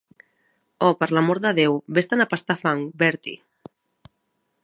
Oh, per l'amor de Déu, ves-te'n a pastar fang, Bertie!